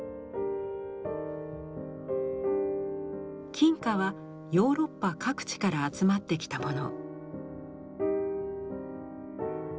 金貨はヨーロッパ各地から集まってきたもの。